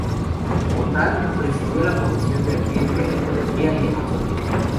Como tal, presidió la comisión de Ambiente, Ecología y Amazonía.